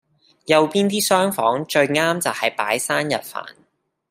右邊啲廂房最啱就喺擺生日飯